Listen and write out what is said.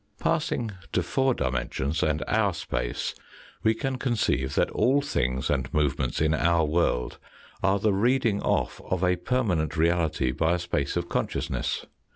Passing to four dimensions and our space, we can conceive that all things and movements in our world are the reading off of a permanent reality by a space of consciousness.